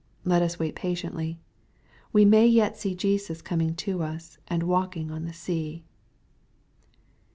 Let us wait 1 patiently. We may yet see Jesus coming to us, and ^" walking on the sea."